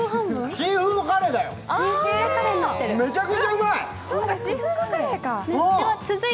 シーフードカレーだよ、めちゃくちゃうまい。